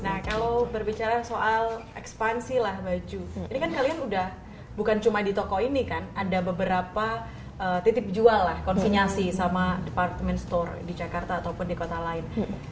nah kalau berbicara soal ekspansi lah baju ini kan kalian udah bukan cuma di toko ini kan ada beberapa titik jual lah konsinyasi sama department store di jakarta ataupun di kota lain